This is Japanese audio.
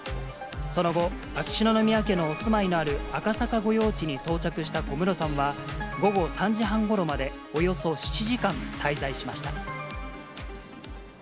その後、秋篠宮家のお住まいのある赤坂御用地に到着した小室さんは、午後３時半ごろまでおよそ７時間滞在しました。